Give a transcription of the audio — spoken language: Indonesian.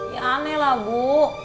ya aneh lah bu